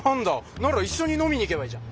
なら一緒に飲みに行けばいいじゃん。